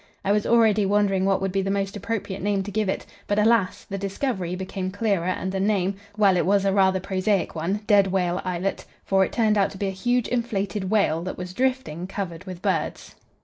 I was already wondering what would be the most appropriate name to give it, but, alas! the "discovery" became clearer and the name well, it was a rather prosaic one: "Dead Whale Islet"; for it turned out to be a huge inflated whale, that was drifting, covered with birds.